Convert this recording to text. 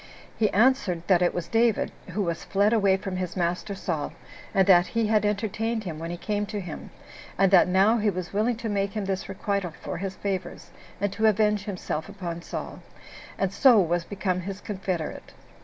He answered that it was David, who was fled away from his master Saul, and that he had entertained him when he came to him, and that now he was willing to make him this requital for his favors, and to avenge himself upon Saul, and so was become his confederate.